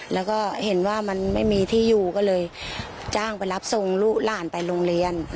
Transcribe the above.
แล้วก็เห็นว่ามันไม่มีที่อยู่ก็เลยจ้างไปรับส่งลูกหลานไปโรงเรียน